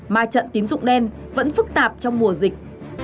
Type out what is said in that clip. mà trận tín dụng đen vẫn phức tạp trong mùa dịch